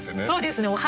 そうですね。